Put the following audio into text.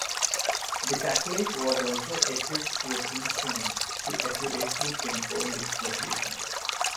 The satellite was also equipped with instruments to accurately pinpoint its location.